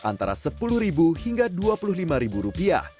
antara sepuluh hingga dua puluh lima rupiah